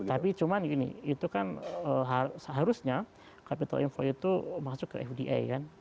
tapi cuma ini itu kan seharusnya kapital inflow itu masuk ke fda kan